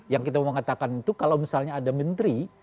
yang kita mau katakan itu kalau misalnya ada menteri